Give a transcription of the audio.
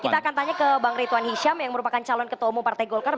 kita akan tanya ke bang ritwan hisyam yang merupakan calon ketua umum partai golkar